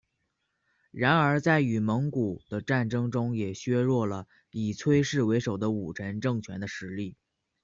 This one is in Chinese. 然而在与蒙古的战争中也削弱了以崔氏为首的武臣政权的实力。